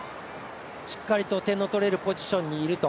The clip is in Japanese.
しっかりと、点の取れるポジションにいると。